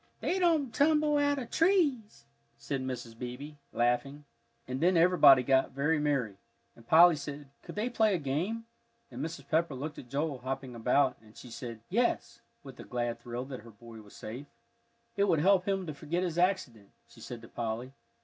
"They don't tumble out of trees," said Mrs. Beebe, laughing. And then everybody got very merry, and Polly said, Could they play a game? and Mrs. Pepper looked at Joel hopping about, and she said, Yes, with a glad thrill that her boy was safe. "It will help him to forget his accident," she said to Polly.